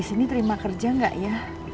ini terima kerja enggak ya